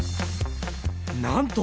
なんと！